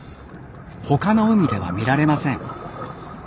他の海では見られません。